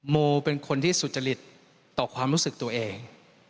โมเป็นคนที่สุจริตต่อความรู้สึกตัวเอง